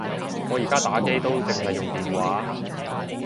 我而家打機都剩係用電話